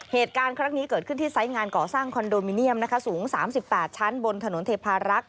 เหตุการณ์ครั้งนี้เกิดขึ้นที่ไซส์งานก่อสร้างคอนโดมิเนียมนะคะสูง๓๘ชั้นบนถนนเทพารักษ